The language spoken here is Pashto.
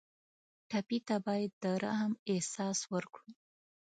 ټپي ته باید د رحم احساس ورکړو.